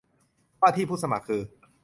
ว่าที่ผู้สมัครคือ